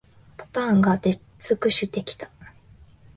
パターンが出尽くしてきた